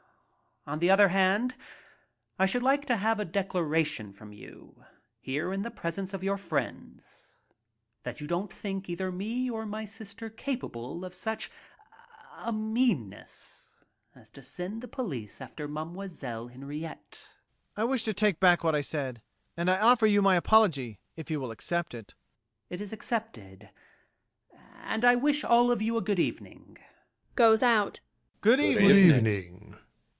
On the other hand, I should like to have a declaration from you, here in the presence of your friends, that you don't think either me or my sister capable of such a meanness as to send the police after Mademoiselle Henriette. MAURICE. I wish to take back what I said, and I offer you my apology, if you will accept it. EMILE. It is accepted. And I wish all of you a good evening. [Goes out.] EVERYBODY. Good evening!